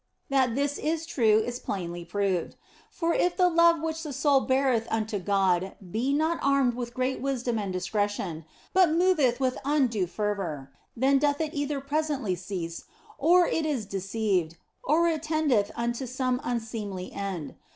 That this is true is plainly proved. For if the love which the soul beareth unto God be not armed with great wisdom and discretion, but moveth with undue fervour, then doth it either presently cease, or it is deceived, or it tendeth unto some unseemly end.